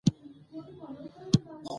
ګلن میک ګرا عالي بالر وو.